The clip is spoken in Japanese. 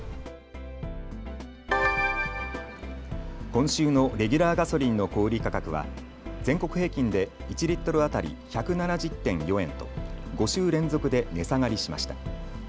今週のレギュラーガソリンの小売価格は全国平均で１リットル当たり１７０．４円と５週連続で値下がりしました。